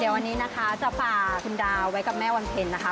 เดี๋ยววันนี้นะคะจะฝ่าคุณดาวไว้กับแม่วันเพ็ญนะคะ